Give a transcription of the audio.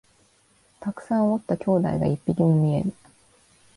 たくさんおった兄弟が一匹も見えぬ